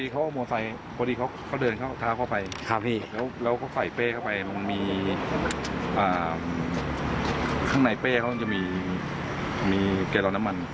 พอดีเขาเดินท้าเข้าไปแล้วเขาใส่เป้เข้าไปข้างในเป้เขาต้องจะมีแก่รอนน้ำมัน